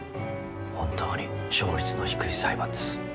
本当に勝率の低い裁判です。